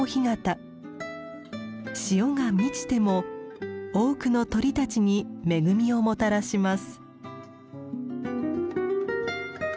潮が満ちても多くの鳥たちに恵みをもたらします。